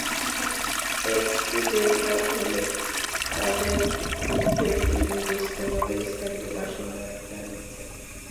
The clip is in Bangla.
একটি বেড়িবাঁধ হলেই তাদের দুঃখের দিন ঘুচত বলে স্থানীয় বাসিন্দারা জানিয়েছেন।